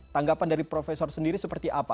tanggapan dari profesor sendiri seperti apa